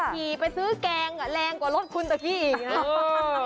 ขี่ไปซื้อแกงแรงกว่ารถคุณตะกี้อีกนะ